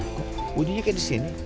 kok bunyinya kayak disini